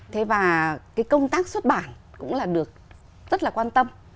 thế và cái công tác xuất bản cũng là được rất là quan tâm